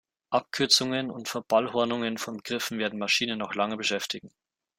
Abkürzungen und Verballhornungen von Begriffen werden Maschinen noch lange beschäftigen.